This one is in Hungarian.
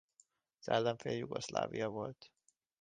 Az ellenfél Jugoszlávia volt.